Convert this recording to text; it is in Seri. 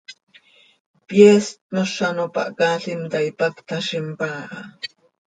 Pyeest mos z ano pahcaalim ta, ipacta z impaa ha.